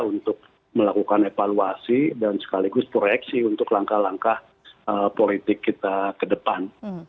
untuk melakukan evaluasi dan sekaligus proyeksi untuk langkah langkah politik kita ke depan